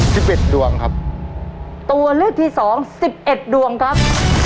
สิบเอ็ดดวงครับตัวเลือกที่สองสิบเอ็ดดวงครับ